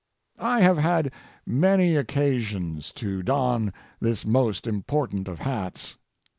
I have had many occasions to don this most important of hats.